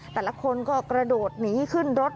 แต่ละคนก็กระโดดหนีขึ้นรถ